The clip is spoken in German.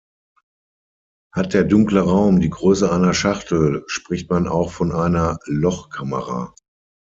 Hat der dunkle Raum die Größe einer Schachtel, spricht man auch von einer "Lochkamera".